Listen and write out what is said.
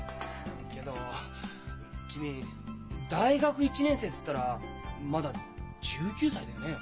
けど君大学１年生っつったらまだ１９歳だよね。